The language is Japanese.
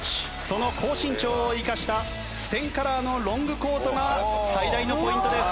その高身長を生かしたステンカラーのロングコートが最大のポイントです。